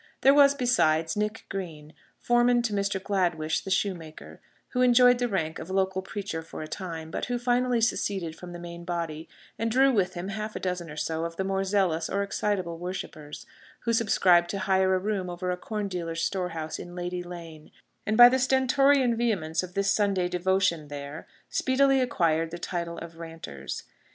There was, besides, Nick Green, foreman to Mr. Gladwish, the shoemaker, who enjoyed the rank of local preacher for a time, but who finally seceded from the main body, and drew with him half a dozen or so of the more zealous or excitable worshippers, who subscribed to hire a room over a corn dealer's storehouse in Lady Lane, and by the stentorian vehemence of this Sunday devotion there speedily acquired the title of Ranters.